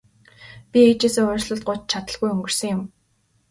Би ээжээсээ уучлалт гуйж чадалгүй өнгөрсөн юм.